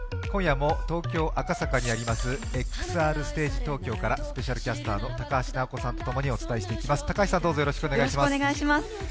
今夜も東京・赤坂にありますＸＲステージからスペシャルゲストの高橋尚子さんとともにお伝えしていきます。